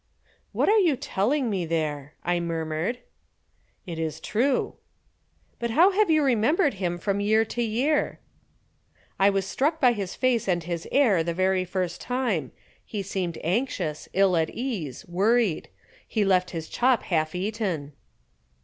"What are you telling me there?" I murmured. "It is true." "But how have you remembered him from year to year?" "I was struck by his face and his air the very first time. He seemed anxious, ill at ease, worried. He left his chop half eaten."